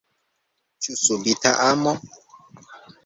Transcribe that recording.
Ĉu subita amo?